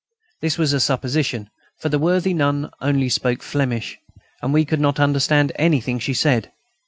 This was a supposition, for the worthy nun only spoke Flemish, and we could not understand anything she said.